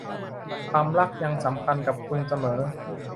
ความรักยังสำคัญกับคุณเสมอ